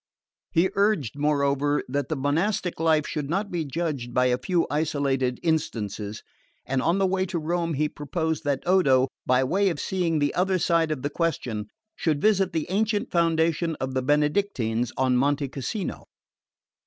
He urged, moreover, that the monastic life should not be judged by a few isolated instances; and on the way to Rome he proposed that Odo, by way of seeing the other side of the question, should visit the ancient foundation of the Benedictines on Monte Cassino.